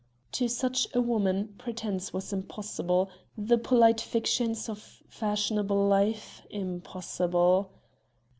To such a woman pretence was impossible, the polite fictions of fashionable life impossible.